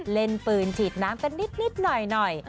เล่นปืนฉีดน้ำกันนิดหน่อย